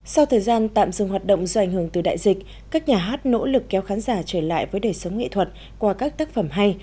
sau thời gian tạm dừng hoạt động do ảnh hưởng từ đại dịch các nhà hát nỗ lực kéo khán giả trở lại với đời sống nghệ thuật qua các tác phẩm hay